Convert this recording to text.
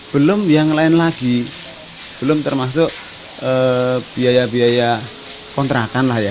belum yang lain lagi belum termasuk biaya biaya kontrakan lah ya